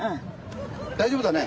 大丈夫だね。